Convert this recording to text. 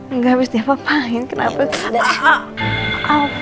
enggak abis diapain kenapa